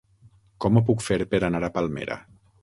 Com ho puc fer per anar a Palmera?